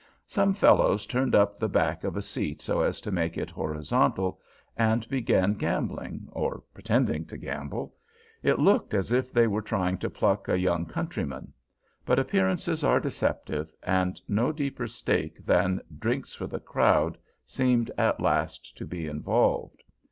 Some fellows turned up the back of a seat so as to make it horizontal, and began gambling, or pretending to gamble; it looked as if they were trying to pluck a young countryman; but appearances are deceptive, and no deeper stake than "drinks for the crowd" seemed at last to be involved.